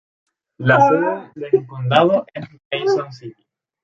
La sede del condado es Mason City.